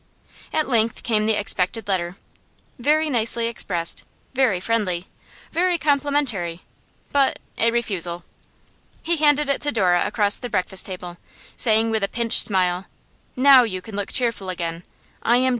At length came the expected letter. Very nicely expressed, very friendly, very complimentary, but a refusal. He handed it to Dora across the breakfast table, saying with a pinched smile: 'Now you can look cheerful again.